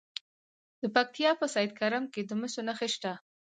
د پکتیا په سید کرم کې د مسو نښې شته.